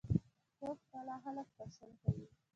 کوږ کلام خلک پاشل کوي